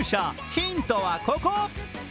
ヒントはここ。